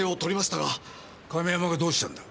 亀山がどうしたんだ？